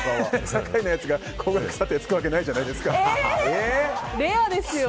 酒井のやつが高額査定つくわけないじゃないですか。